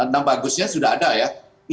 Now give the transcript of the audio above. nama bagusnya sudah ada ya